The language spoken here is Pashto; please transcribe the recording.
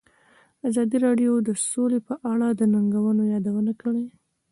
ازادي راډیو د سوله په اړه د ننګونو یادونه کړې.